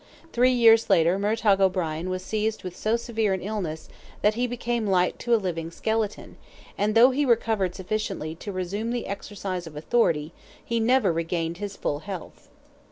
Three years later Murtogh O'Brien was seized with so severe an illness, that he became like to a living skeleton, and though he recovered sufficiently to resume the exercise of authority he never regained his full health.